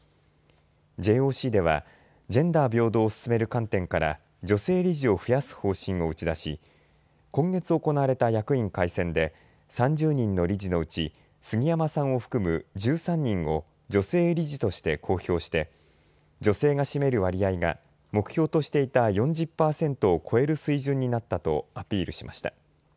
ＪＯＣではジェンダー平等を進める観点から女性理事を増やす方針を打ち出し今月行われた役員改選で３０人の理事のうち杉山さんを含む１３人を女性理事として公表して女性が占める割合が目標としていた４０％を超える水準になったとアピールしました。